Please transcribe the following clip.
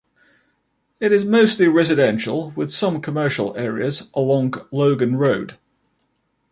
It is mostly residential, with some commercial areas along Logan Road.